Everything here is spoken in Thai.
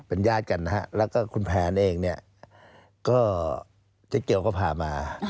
เป็นญาติกันนะฮะแล้วก็คุณแผนเองเนี่ยก็เจ๊เกียวก็พามา